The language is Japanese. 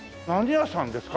何屋さんですか？